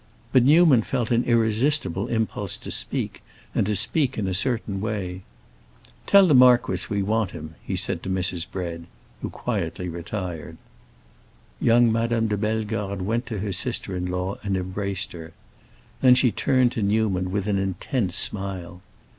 But Newman felt an irresistible impulse to speak, and to speak in a certain way. "Tell the marquis we want him," he said to Mrs. Bread, who quietly retired. Young Madame de Bellegarde went to her sister in law and embraced her. Then she turned to Newman, with an intense smile.